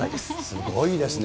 すごいですね。